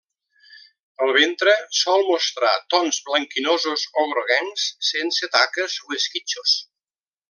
El ventre sol mostrar tons blanquinosos o groguencs, sense taques o esquitxos.